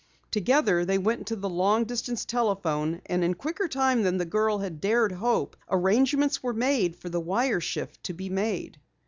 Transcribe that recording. Together they went to the long distance telephone, and in a quicker time than the girl had dared hope, arrangements were made for the wire shift to be made.